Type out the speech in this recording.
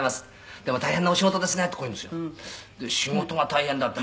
「“でも大変なお仕事ですね”とこう言うんですよ」